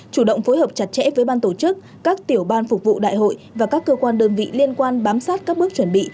chủ động phối hợp chặt chẽ với ban tổ chức các tiểu ban phục vụ đại hội và các cơ quan đơn vị liên quan bám sát các bước chuẩn bị